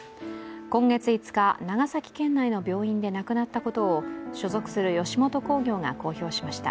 今月５日、長崎県内の病院で亡くなったことを所属する吉本興業が公表しました。